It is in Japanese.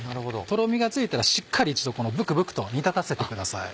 とろみがついたらしっかり一度ブクブクと煮立たせてください。